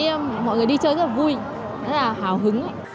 em mọi người đi chơi rất là vui rất là hào hứng